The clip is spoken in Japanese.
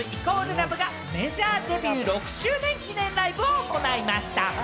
ＬＯＶＥがメジャーデビュー６周年記念ライブを行いました。